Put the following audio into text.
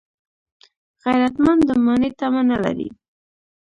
غیرتمند د ماڼۍ تمه نه لري